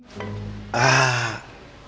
karena kita akan kejatengan tamu istimewa